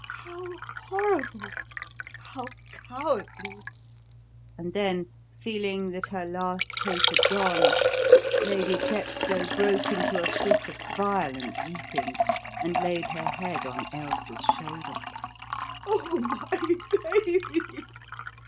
"How horrible! How cowardly!" And then, feeling that her last hope had gone, Lady Chepstow broke into a fit of violent weeping and laid her head on Ailsa's shoulder. "Oh, my baby!